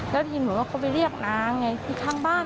แล้วพี่หนูก็ไปเรียกน้าอีกครั้งบ้าน